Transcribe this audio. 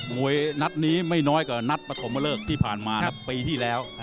มวยนัดนี้ไม่น้อยกว่านัดปฐมเลิกที่ผ่านมาครับปีที่แล้ว